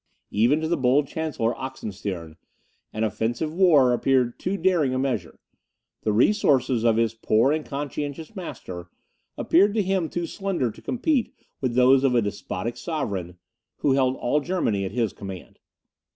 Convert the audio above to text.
Even to the bold Chancellor Oxenstiern, an offensive war appeared too daring a measure; the resources of his poor and conscientious master, appeared to him too slender to compete with those of a despotic sovereign, who held all Germany at his command.